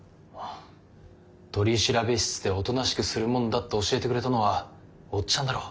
取調室でおとなしくするもんだって教えてくれたのはオッチャンだろ。